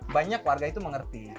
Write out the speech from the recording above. banyak warga itu mengerti